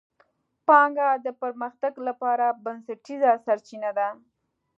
پانګه د پرمختګ لپاره بنسټیزه سرچینه ده.